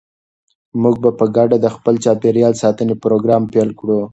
موږ به په ګډه د خپل چاپیریال ساتنې پروګرام پیل کړو.